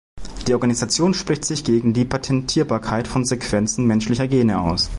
Die Organisation spricht sich gegen die Patentierbarkeit von Sequenzen menschlicher Gene aus.